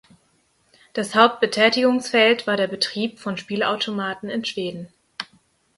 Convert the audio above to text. Das Hauptbetätigungsfeld war der Betrieb von Spielautomaten in Schweden.